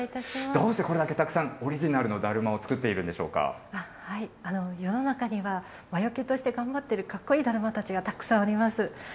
どうしてこれだけたくさんオリジナルのだるまを作っているん世の中には、魔よけとして頑張っている、かっこいいだるまたちがたくさんおります。